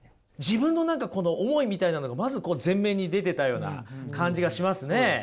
自分の何か思いみたいなのがまず前面に出てたような感じがしますね。